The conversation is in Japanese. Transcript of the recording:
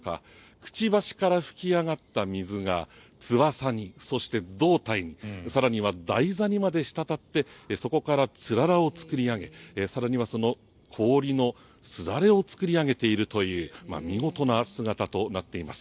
くちばしから噴き上がった水が翼にそして、胴体に更には台座にまで滴ってそこからつららを作り上げ更には、その氷をすだれを作り上げているという見事な姿となっています。